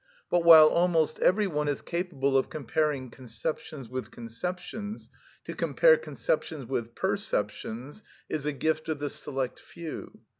But, while almost every one is capable of comparing conceptions with conceptions, to compare conceptions with perceptions is a gift of the select few.